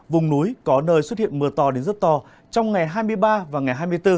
vùng núi có nơi xuất hiện mưa to đến rất to trong ngày hai mươi ba và ngày hai mươi bốn